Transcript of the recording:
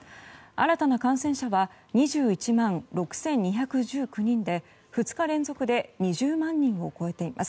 新たな感染者は２１万６２１９人で２日連続で２０万人を超えています。